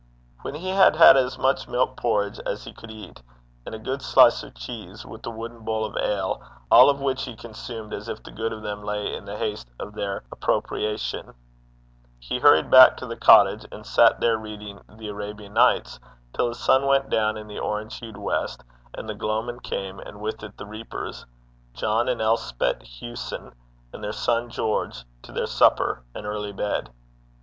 When he had had as much milk porridge as he could eat, and a good slice of swack (elastic) cheese, with a cap (wooden bowl) of ale, all of which he consumed as if the good of them lay in the haste of their appropriation, he hurried back to the cottage, and sat there reading The Arabian Nights, till the sun went down in the orange hued west, and the gloamin' came, and with it the reapers, John and Elspet Hewson, and their son George, to their supper and early bed.